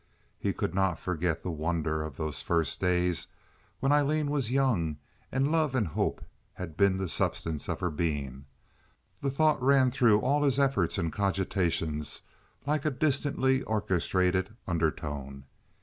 He could not forget the wonder of those first days when Aileen was young, and love and hope had been the substance of her being. The thought ran through all his efforts and cogitations like a distantly orchestrated undertone.